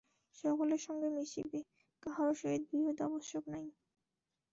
সকলের সঙ্গে মিশিবে, কাহারও সহিত বিরোধ আবশ্যক নাই।